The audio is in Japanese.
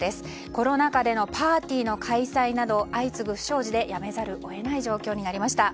コロナ禍でのパーティー開催など相次ぐ不祥事で辞めざるを得ない状況になりました。